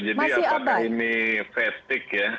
jadi apakah ini fatigue ya